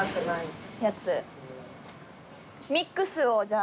ミックスをじゃあ。